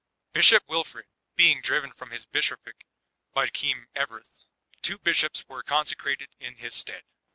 Bishop Wilfred being driven from his bishop ric by King Everth, two bishops were consecrated in his stead."